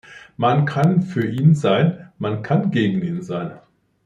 Man kann für ihn sein, man kann gegen ihn sein.